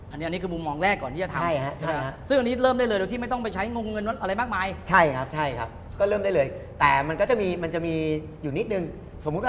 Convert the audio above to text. อันนี้คือมุมมองแรกก่อนที่จะทำใช่ไหม